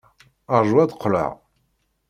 Rju ad d-qqleɣ.